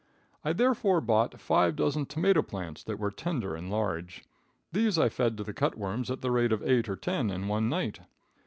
I therefore bought five dozen tomato plants that were tender and large. These I fed to the cut worms at the rate of eight or ten in one night.